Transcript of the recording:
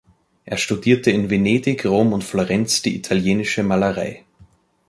Er studierte in Venedig, Rom und Florenz die italienische Malerei.